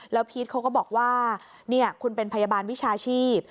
แล้วพีชเขาก็บอกว่าคุณเป็นพยาบาลวิชาชีพ